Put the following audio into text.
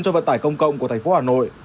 cho vận tải công cộng của thành phố hà nội